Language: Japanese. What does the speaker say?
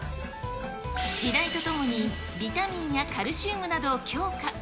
時代とともにビタミンやカルシウムなどを強化。